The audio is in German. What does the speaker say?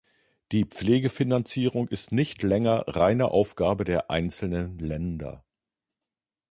Die Pflegefinanzierung ist nicht länger reine Aufgabe der einzelnen Länder.